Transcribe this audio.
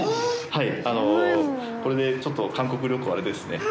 はい。